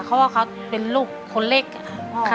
เพราะว่าเขาเป็นลูกคนเล็กค่ะ